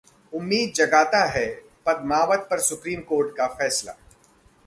'उम्मीद जगाता है, पद्ममावत पर सुप्रीम कोर्ट का फैसला'